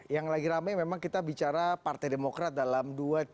yang lagi rame memang kita bicara partai demokrat dalam dua tiga